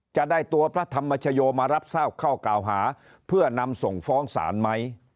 จะได้ตัวพระธรรมชโยมารับทราบข้อกล่าวหาเพื่อนำส่งฟ้องศาลไหม